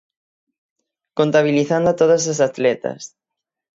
Contabilizando a todas as atletas.